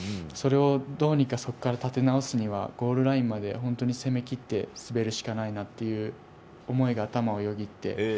それをどうにか、そこから立て直すにはゴールラインまで本当に攻め切って滑るしかないなという思いが頭をよぎって。